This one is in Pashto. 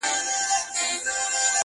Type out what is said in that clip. یوه ورځ وو یو صوفي ورته راغلی.!